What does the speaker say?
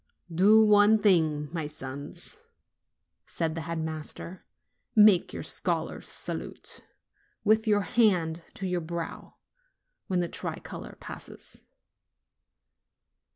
"Do one thing, my sons," said the head master; "make your scholar's salute, with your hand to your brow, when the tricolor passes."